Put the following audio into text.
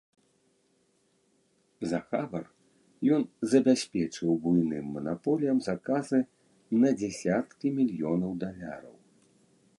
За хабар ён забяспечыў буйным манаполіям заказы на дзесяткі мільёнаў даляраў.